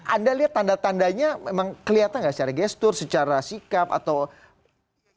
anda lihat tanda tandanya memang kelihatan nggak secara gestur secara sikap